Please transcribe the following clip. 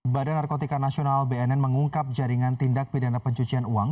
badan narkotika nasional bnn mengungkap jaringan tindak pidana pencucian uang